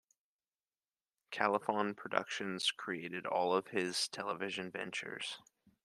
Califon Productions created all of his television ventures.